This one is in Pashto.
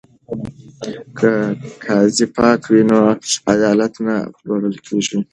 که قاضي پاک وي نو عدالت نه پلورل کیږي.